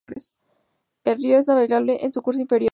El río es navegable en su curso inferior.